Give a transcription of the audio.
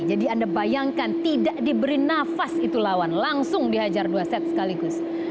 jadi anda bayangkan tidak diberi nafas itu lawan langsung dihajar dua set sekaligus